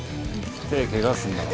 手ぇケガすんだろ。